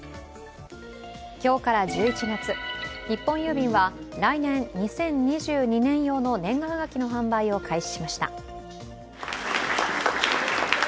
今日から１１月日本郵便は来年２０２２年用の年賀はがきの販売を開始しました。